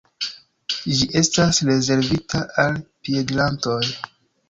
Ĝi estas rezervita al piedirantoj.